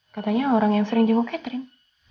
katanya orang yang sering jenguk catering